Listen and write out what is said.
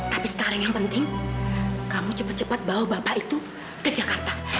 tapi sekarang yang penting kamu cepat cepat bawa bapak itu ke jakarta